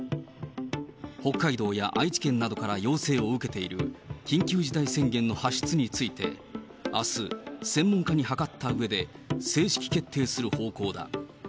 北海道や愛知県などから要請を受けている緊急事態宣言の発出について、あす、専門家に諮ったうえで、正式決定する方向だ。